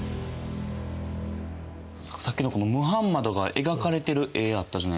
さっきのムハンマドが描かれてる絵あったじゃないですか。